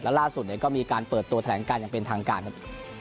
ล่าสุดก็มีการเปิดตัวแถลงการอย่างเป็นทางการครับ